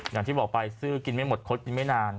อย่างที่บอกไปซื้อกินไม่หมดคดกินไม่นาน